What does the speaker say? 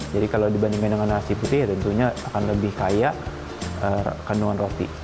jadi kalau dibandingkan dengan nasi putih tentunya akan lebih kaya kandungan roti